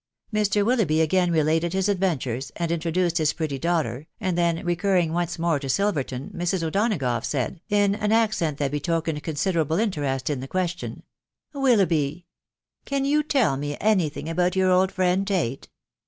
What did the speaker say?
Mr. Willoughby again related his adventures, and introduced his pretty daughter, and then, recurring once more to Silverton,, Mrs. O'Donagough said, in an accent that betokened consider able interest in the question —'' Willoughby I — can you tell me any thing about your old friend Tate